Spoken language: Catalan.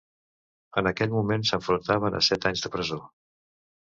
En aquell moment s'enfrontaven a set anys de presó.